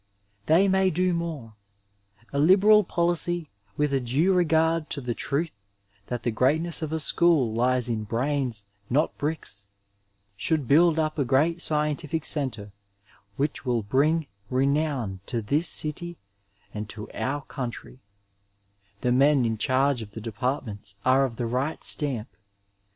They may do more. A liberal policy, with a due regard to the truth that the greatness of a school lies in brains not bricks, should build up a great scientific centre which will bring renown to this city and to our country, The men in charge of the departments are of the right stamp.